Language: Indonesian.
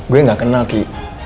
gue gak kenal ki